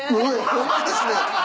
ホントですね。